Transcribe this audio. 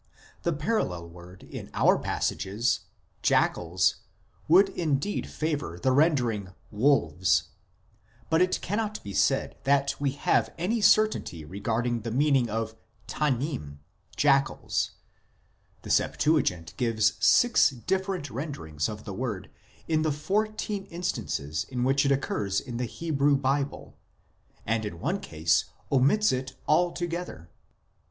The parallel word in our passages, " jackals," would indeed favour the rendering " wolves "; but it cannot be said that we have any certainty regarding the meaning of Tannim, " jackals "; the Septuagint gives six different renderings of the word in the fourteen instances in which it occurs in the Hebrew Bible, and in one case omits it altogether.